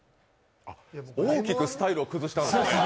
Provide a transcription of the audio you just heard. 大きくスタイルを崩したんですね。